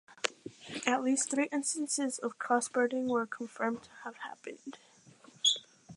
At least three instances of cross burning were confirmed to have happened.